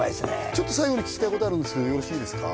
ちょっと最後に聞きたいことあるんですけどよろしいですか？